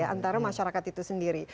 antara masyarakat itu sendiri